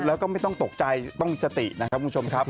แล้วก็ไม่ต้องตกใจต้องสตินะครับคุณผู้ชมครับ